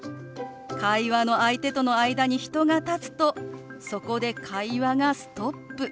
会話の相手との間に人が立つとそこで会話がストップ。